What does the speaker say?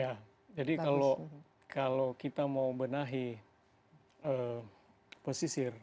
ya jadi kalau kita mau benahi pesisir